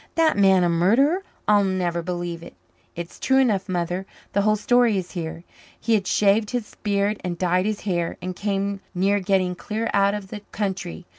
"That man a murderer! I'll never believe it!" "It's true enough, Mother. The whole story is here. He had shaved his beard and dyed his hair and came near getting clear out of the country.